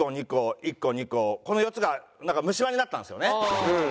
この４つがなんか虫歯になったんですよね。